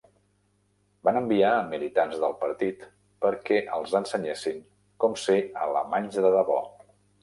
Van enviar a militants del partit perquè els ensenyessin com ser "alemanys de debò".